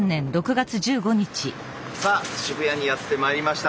さあ渋谷にやって参りました。